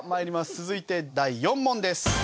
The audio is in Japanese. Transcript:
続いて第４問です。